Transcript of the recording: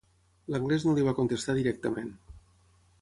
L'Anglès no li va contestar directament.